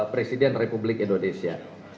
presiden republik indonesia